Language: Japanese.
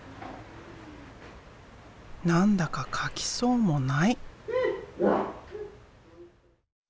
何だか描きそうもない。